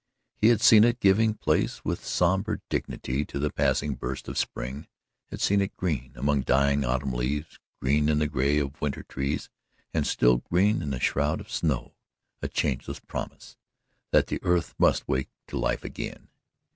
He had seen it giving place with sombre dignity to the passing burst of spring, had seen it green among dying autumn leaves, green in the gray of winter trees and still green in a shroud of snow a changeless promise that the earth must wake to life again.